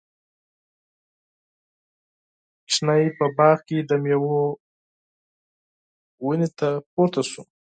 ماشوم په باغ کې د میوو ونې ته پورته شو.